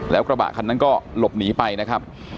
แล้วกระบะคันนั้นก็หลบหนีไปนะครับ